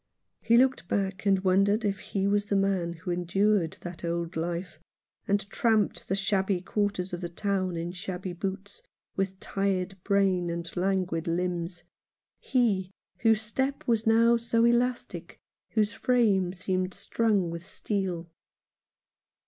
He looked back and wondered if he was the man who endured that old life, and tramped the shabby quarters of the town in shabby boots, with tired brain and languid limbs ; he, whose step was now so elastic, whose frame seemed strung with steel.